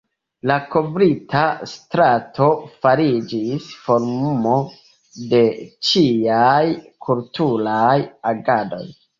La kovrita strato fariĝis forumo de ĉiaj kulturaj agadoj.